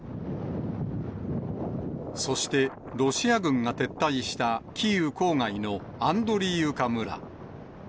そしてロシア軍が撤退したキーウ郊外のアンドリーウカ村。